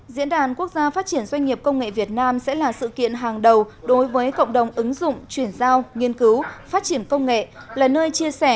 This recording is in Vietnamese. diễn đàn quốc gia phát triển doanh nghiệp công nghệ việt nam sẽ là sự kiện hàng đầu đối với cộng đồng ứng dụng chuyển giao nghiên cứu phát triển công nghệ là nơi chia sẻ